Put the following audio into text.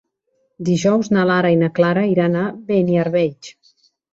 Dijous na Lara i na Clara iran a Beniarbeig.